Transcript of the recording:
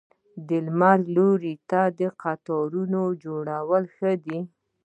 د لمر لوري ته د قطارونو جوړول ښه دي؟